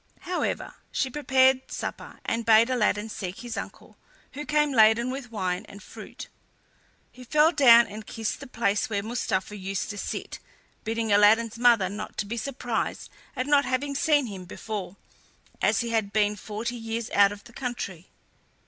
However, she prepared supper, and bade Aladdin seek his uncle, who came laden with wine and fruit. He fell down and kissed the place where Mustapha used to sit, bidding Aladdin's mother not to be surprised at not having seen him before, as he had been forty years out of the country.